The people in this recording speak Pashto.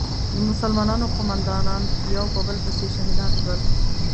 د مسلمانانو قومندانان یو په بل پسې شهیدان شول.